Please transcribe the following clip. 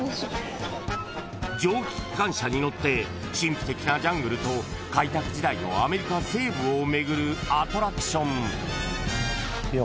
［蒸気機関車に乗って神秘的なジャングルと開拓時代のアメリカ西部を巡るアトラクション］